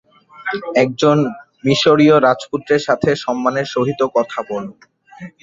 একজন মিশরীয় রাজপুত্রের সাথে সম্মানের সহিত কথা বলো।